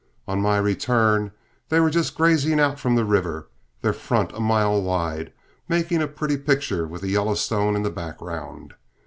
On my return, they were just grazing out from the river, their front a mile wide, making a pretty picture with the Yellowstone in the background.